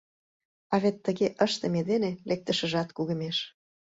А вет тыге ыштыме дене лектышыжат кугемеш.